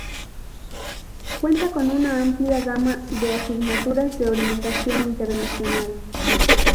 Cuenta con una amplia gama de asignaturas de orientación internacional.